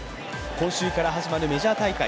今週から始まるメジャー大会